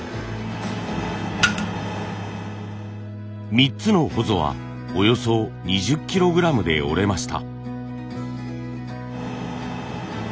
３つのほぞはおよそ２０キログラムで折れました。